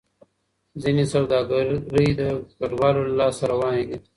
ځینې سوداګرۍ د کډوالو له لاسه روانې دي.